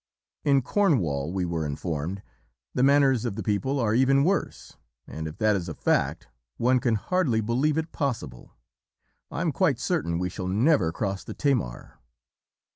"In Cornwall, we were informed, the manners of the people are even worse, and if that is a fact, one can hardly believe it possible, I am quite certain we shall never cross the Tamar.